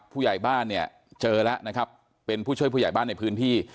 ผู้ใหญ่บ้านเนี่ยเจอแล้วนะครับเป็นผู้ช่วยผู้ใหญ่บ้านในพื้นที่